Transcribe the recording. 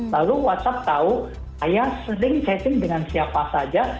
lalu whatsapp tahu ayah sering chatting dengan siapa saja